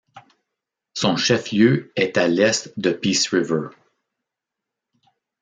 Son chef-lieu est à l'est de Peace River.